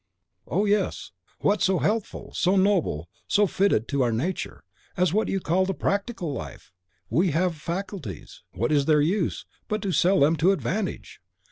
Oh, yes! what so healthful, so noble, so fitted to our nature, as what you call the Practical Life? If we have faculties, what is their use, but to sell them to advantage!